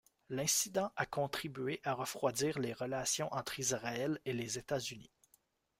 L'incident a contribué à refroidir les relations entre Israël et les États-Unis.